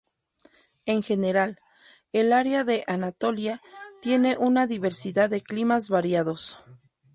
En general, el área de Anatolia tiene una diversidad de climas variados.